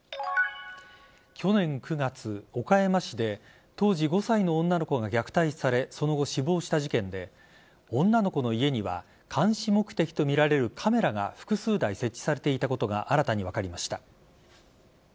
去年９月、岡山市で当時５歳の女の子が虐待されその後、死亡した事件で女の子の家には監視目的とみられるカメラが複数台設置されていたことが新たに分かりました。